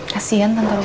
kasian tante rusa